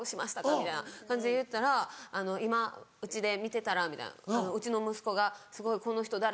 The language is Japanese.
みたいな感じで言ったら「今家で見てたらうちの息子が『すごいこの人誰？